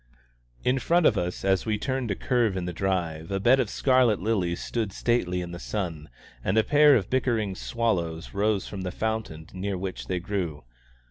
In front of us, as we turned a curve in the drive, a bed of scarlet lilies stood stately in the sun, and a pair of bickering sparrows rose from the fountain near which they grew.